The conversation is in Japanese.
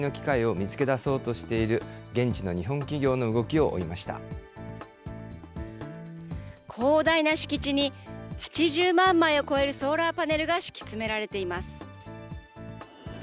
そこに新しいビジネス拡大の機会を見つけ出そうとしている現地の広大な敷地に、８０万枚を超えるソーラーパネルが敷き詰められています。